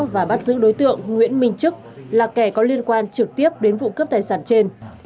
và bắt giữ đối tượng nguyễn minh chức là kẻ có liên quan trực tiếp đến vụ cướp tài sản trên